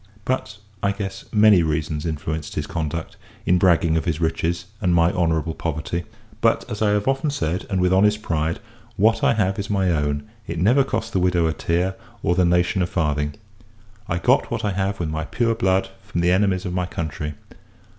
But, I guess, many reasons influenced his conduct, in bragging of his riches, and my honourable poverty; but, as I have often said, and with honest pride, what I have is my own; it never cost the widow a tear, or the nation a farthing. I got what I have with my pure blood, from the enemies of my country.